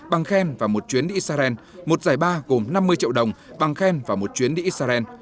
bằng khen và một chuyến đi israel một giải ba gồm năm mươi triệu đồng bằng khen và một chuyến đi israel